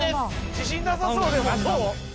自信なさそうでもどう？